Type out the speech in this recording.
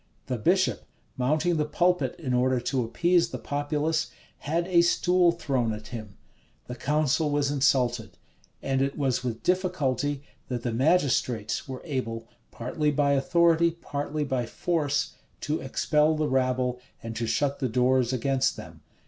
The bishop, mounting the pulpit in order to appease the populace, had a stool thrown at him; the council was insulted: and it was with difficulty that the magistrates were able, partly by authority, partly by force, to expel the rabble, and to shut the doors against them.